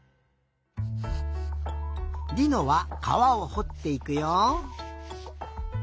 りのはかわをほっていくよ。